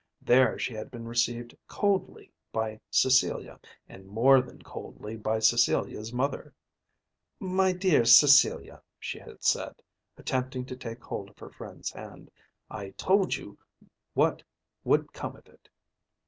There she had been received coldly by Cecilia, and more than coldly by Cecilia's mother. "My dear Cecilia," she had said, attempting to take hold of her friend's hand, "I told you what would come of it."